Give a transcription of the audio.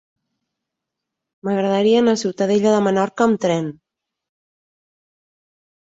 M'agradaria anar a Ciutadella de Menorca amb tren.